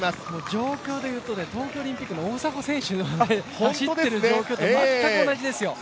状況でいうと東京オリンピックの大迫選手が走っている状況と全く同じですよね。